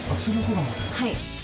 はい。